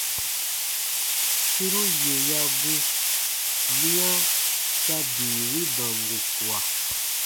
Suru yè ya gu, miya sa bii wi bango kua.